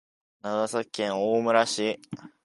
長崎県大村市